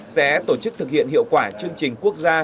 sẽ tổ chức thực hiện hiệu quả chương trình quốc gia